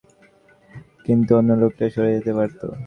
কিন্তু অন্য লোকটা সরে যেতে পারত।